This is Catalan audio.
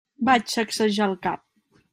Vaig sacsejar el cap.